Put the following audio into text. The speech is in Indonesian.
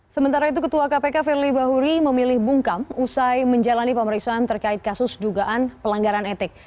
sementara itu ketua kpk firly bahuri memilih bungkam usai menjalani pemeriksaan terkait kasus dugaan pelanggaran etik